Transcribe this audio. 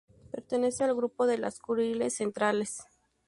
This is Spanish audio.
Pertenece al grupo de las Kuriles centrales.